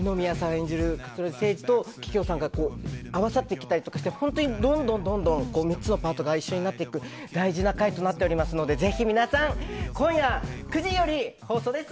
演じる勝呂寺誠司桔梗さんが合わさってきたりしてどんどん３つのパートが一緒になっていく大事な回となっておりますのでぜひ皆さん今夜９時から放送です。